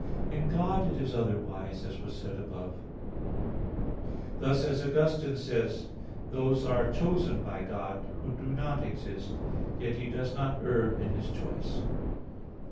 In God it is otherwise; as was said above (Q. 20, A. 2). Thus, as Augustine says (De Verb. Ap. Serm. 11): "Those are chosen by God, who do not exist; yet He does not err in His choice."